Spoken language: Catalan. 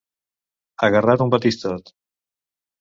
Agarrar un batistot.